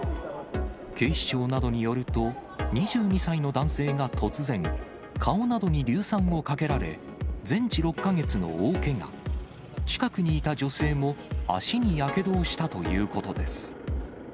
警視庁などによると、２２歳の男性が突然、顔などに硫酸をかけられ、全治６か月の大けが、近くにいた女性も、足にやけどをしたということです。